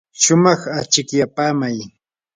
shumaq achikyapaamay.